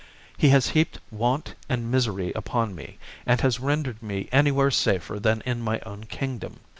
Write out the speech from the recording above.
He has heaped want and misery upon me, and has rendered me anywhere safer than in my own kingdom.